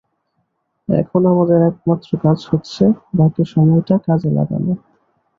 এখন আমাদের একমাত্র কাজ হচ্ছে বাকি সময়টা কাজে লাগানো।